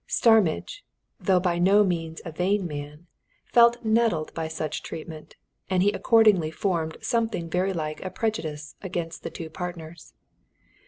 Starmidge, though by no means a vain man, felt nettled by such treatment, and he accordingly formed something very like a prejudice against the two partners.